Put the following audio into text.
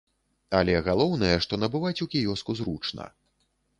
Але галоўнае, што набываць у кіёску зручна.